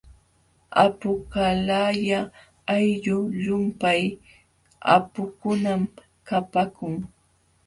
Apuqalaya ayllu llumpay apukunam kapaakun.